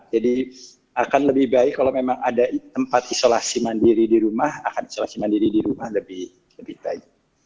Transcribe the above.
jadi akan lebih baik kalau memang ada tempat isolasi mandiri di rumah akan isolasi mandiri di rumah lebih baik